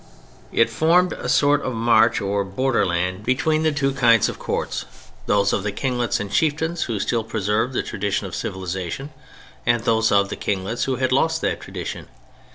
It formed a sort of march or borderland between the two kinds of courts, those of the kinglets and chieftains who still preserved a tradition of civilization, and those of the kinglets who had lost that tradition.